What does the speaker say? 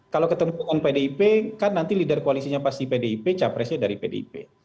kalau ketemu dengan pdip kan nanti leader koalisinya pasti pdip capresnya dari pdip